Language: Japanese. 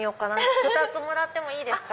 ２つもらってもいいですか？